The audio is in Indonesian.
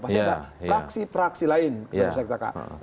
pasti ada praksi praksi lain kita bisa katakan